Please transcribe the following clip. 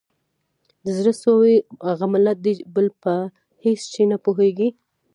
د زړه سوي هغه ملت دی بل په هیڅ چي نه پوهیږي